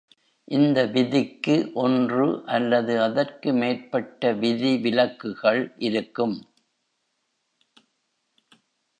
இந்த விதிக்கு ஒன்று, அல்லது அதற்கு மேற்பட்ட விதிவிலக்குகள் இருக்கும்.